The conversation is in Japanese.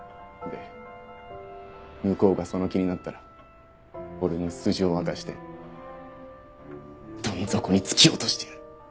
で向こうがその気になったら俺の素性を明かしてどん底に突き落としてやる！